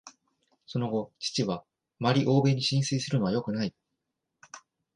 その後、父は「あまり欧米に心酔するのはよくない」